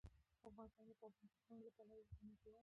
افغانستان د پابندي غرونو له پلوه یو غني هېواد دی.